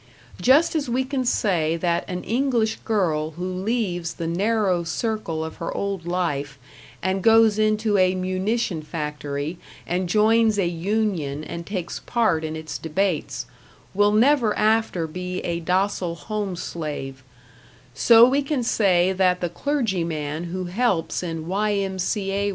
Just as we can say that an English girl who leaves the narrow circle of her old life, and goes into a munition factory and joins a union and takes part in its debates, will never after be a docile home slave; so we can say that the clergyman who helps in Y.M.C.A.